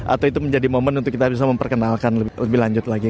atau itu menjadi momen untuk kita bisa memperkenalkan lebih lanjut lagi